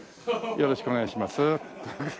よろしくお願いします。